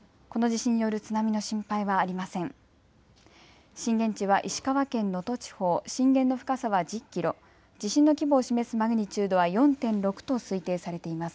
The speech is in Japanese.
震源地は石川県能登地方、震源の深さは１０キロ、地震の規模を示すマグニチュードは４．６と推定されています。